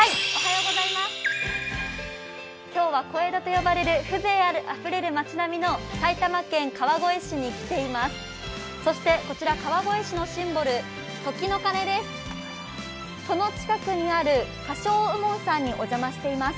今日は小江戸と呼ばれる風情あふれる街並みの埼玉県川越市に来ています。